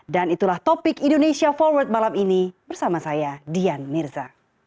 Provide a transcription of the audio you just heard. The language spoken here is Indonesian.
dan itulah topik indonesia forward malam ini bersama saya dian mirza